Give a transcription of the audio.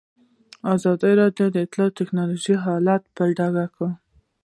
ازادي راډیو د اطلاعاتی تکنالوژي حالت په ډاګه کړی.